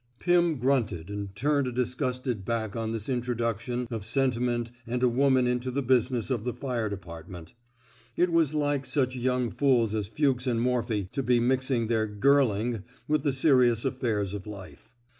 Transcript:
Pim grunted, and turned a disgusted back on this introduction of sentiment and a woman into the business of the fire depart ment. It was like such young fools as Fuchs and Morphy to be mixing their girling ^* with the serious affairs of life.